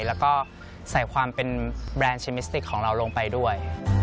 แล้วก็ใส่ความเป็นแบรนด์ชิมิสติกของเราลงไปด้วย